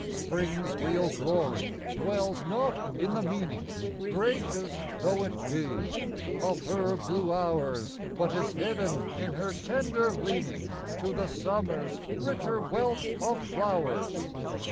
Spring's real glory dwells not in the meaning, Gracious though it be, of her blue hours ; But is hidden in her tender leaning To the Summer's richer wealth of flowers.